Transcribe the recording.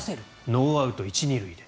ノーアウト１・２塁で。